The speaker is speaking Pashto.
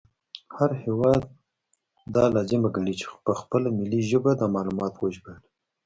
هر هیواد دا لازمه ګڼي چې په خپله ملي ژبه دا معلومات وژباړي